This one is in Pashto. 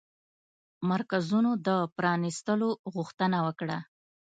مرکزونو د پرانيستلو غوښتنه وکړه